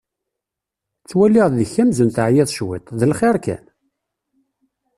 Ttwaliɣ deg-k amzun teɛyiḍ cwiṭ! D lxir kan?